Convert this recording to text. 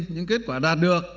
những kết quả đạt được